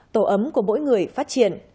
tổ ấm của mỗi người phát triển